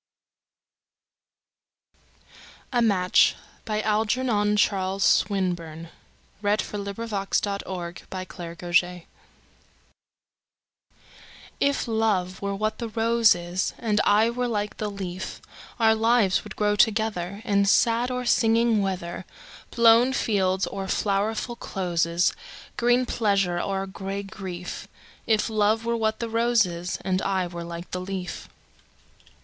ics. 1909–14. Algernon Charles Swinburne 738. A Match IF love were what the rose is, And I were like the leaf, Our lives would grow togetherIn sad or singing weather, Blown fields or flowerful closes, Green pleasure or gray grief; If love were what the rose is, And I were like the leaf.